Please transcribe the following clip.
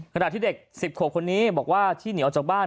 ขณะที่เด็ก๑๐ขวบคนนี้บอกว่าที่เหนียวจากบ้าน